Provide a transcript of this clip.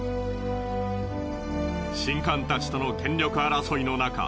神官たちとの権力争いのなか